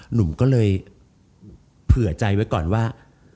หนุ่มก็เลยเผื่อใจไว้ก่อนว่า